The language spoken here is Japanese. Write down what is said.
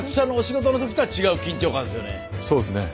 そうですね。